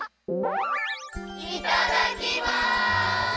いただきます！